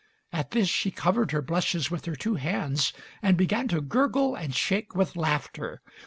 At this she covered her blushes with her two hands and began to gurgle and shake with laughter.